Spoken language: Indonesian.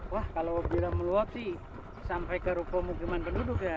wah kalau bilang meluap sih sampai ke pemukiman penduduk ya